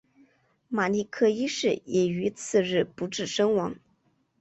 马立克一世也于次日不治身亡。